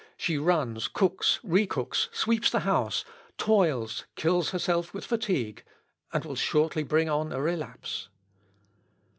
She runs, cooks, re cooks, sweeps the house, toils, kills herself with fatigue, and will shortly bring on a relapse."